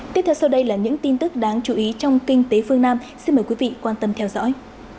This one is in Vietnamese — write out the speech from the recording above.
tiếp theo sau đây là những tin tức đáng chú ý trong kinh tế phương nam xin mời quý vị quan tâm theo dõi